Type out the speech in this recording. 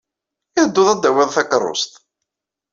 I tedduḍ ad d-tawyeḍ takeṛṛust?